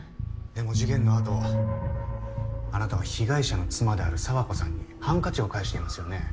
でも事件のあとあなたは被害者の妻である佐和子さんにハンカチを返していますよね？